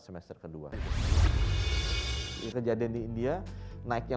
semester kedua kejadian di india naiknya